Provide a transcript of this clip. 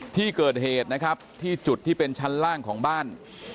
ที่เกิดเหตุนะครับที่จุดที่เป็นชั้นล่างของบ้าน